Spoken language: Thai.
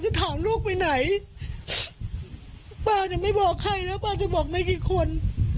ถามลูกไปไหนป้ายังไม่บอกใครแล้วป้าจะบอกไม่กี่คน